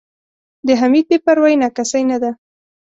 د حمید بې پروایي نا کسۍ نه ده.